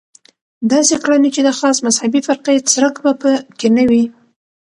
داسې کړنې چې د خاصې مذهبي فرقې څرک به په کې نه وي.